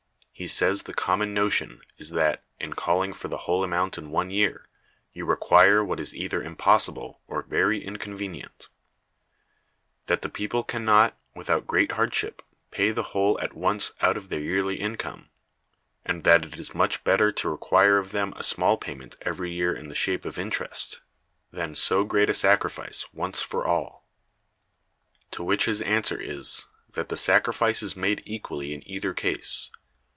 He says the common notion is that, in calling for the whole amount in one year, you require what is either impossible, or very inconvenient; that the people can not, without great hardship, pay the whole at once out of their yearly income; and that it is much better to require of them a small payment every year in the shape of interest, than so great a sacrifice once for all. To which his answer is, that the sacrifice is made equally in either case.